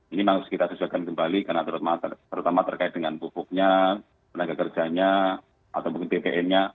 ini memang harus kita sesuaikan kembali karena terutama terkait dengan pupuknya tenaga kerjanya atau mungkin bpn nya